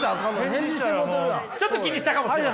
ちょっと気にしたかもしれない。